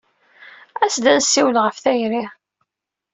As-d ad nessiwel ɣef tayri.